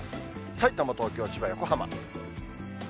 さいたま、東京、千葉、横浜。